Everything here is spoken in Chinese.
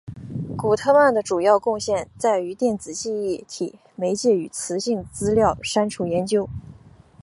古特曼的主要贡献在于电子记忆体媒介与磁性资料删除研究。